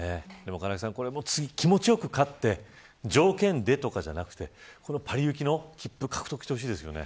次、気持ちよく勝って条件でとかじゃなくてパリ行きの切符を獲得してほしいですね。